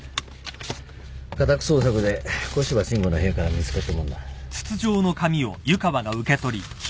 家宅捜索で古芝伸吾の部屋から見つかったものだ。